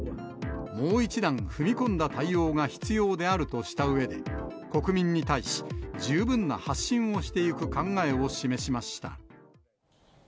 もう一段踏み込んだ対応が必要であるとしたうえで、国民に対し、十分な発信をしていく考えを示しました。